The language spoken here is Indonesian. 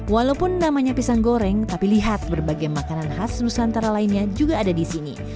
walaupun namanya pisang goreng tapi lihat berbagai makanan khas nusantara lainnya juga ada di sini